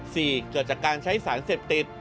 เกิดจากการใช้สารเสพติด